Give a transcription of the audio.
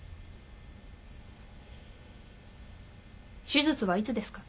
手術はいつですか？